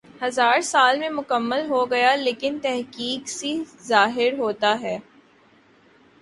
ہزا ر سال میں مکمل ہوگا لیکن تحقیق سی ظاہر ہوتا ہی